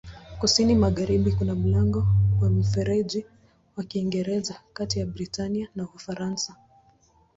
Kusini-magharibi kuna mlango wa Mfereji wa Kiingereza kati ya Britania na Ufaransa.